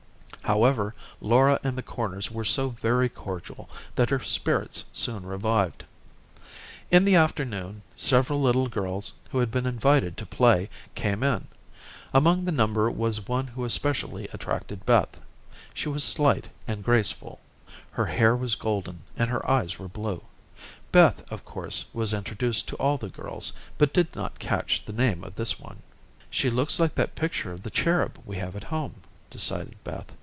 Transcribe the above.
However, Laura and the Corners were so very cordial that her spirits soon revived. In the afternoon several little girls, who had been invited to play, came in. Among the number was one who especially attracted Beth. She was slight and graceful. Her hair was golden and her eyes were blue. Beth, of course, was introduced to all the girls, but did not catch the name of this one. "She looks like that picture of the cherub we have at home," decided Beth.